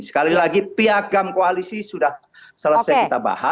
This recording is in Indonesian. sekali lagi piagam koalisi sudah selesai kita bahas